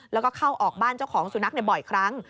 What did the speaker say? แล้วก็เข้าออกบ้านเจ้าของสุนัขบ่อยครั้ง